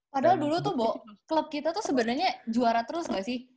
padahal dulu tuh klub kita tuh sebenarnya juara terus gak sih